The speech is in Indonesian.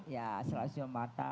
ya selalu cium mata